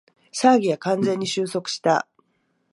騒ぎは完全に収束した